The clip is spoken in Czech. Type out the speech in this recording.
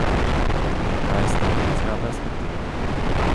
Jaká je strategická perspektiva?